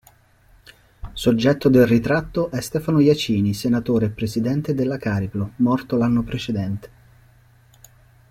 Soggetto del ritratto è Stefano Jacini, senatore e presidente della Cariplo, morto l'anno precedente.